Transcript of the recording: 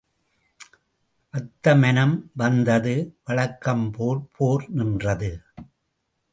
அத்தமனம் வந்தது வழக்கம் போல் போர் நின்றது.